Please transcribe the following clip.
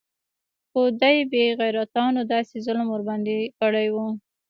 خو دې بې غيرتانو داسې ظلم ورباندې کړى و.